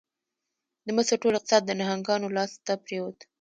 د مصر ټول اقتصاد د نهنګانو لاس ته پرېوت.